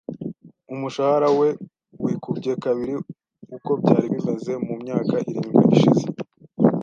Umushahara we wikubye kabiri uko byari bimeze mu myaka irindwi ishize .